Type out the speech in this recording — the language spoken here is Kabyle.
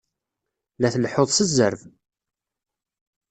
La tleḥḥuḍ s zzerb!